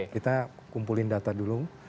kita kumpulin data dulu